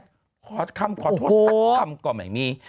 ขอขอโทษสักคำก่อนใหม่มี